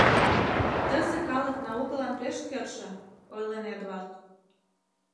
— Тысе калык наукылан пеш кертше, — ойлен Эдвард.